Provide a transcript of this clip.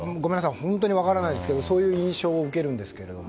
本当に分からないですけどそういう印象を受けるんですが。